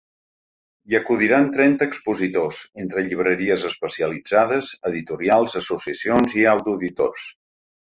Hi acudiran trenta expositors, entre llibreries especialitzades, editorials, associacions i autoeditors.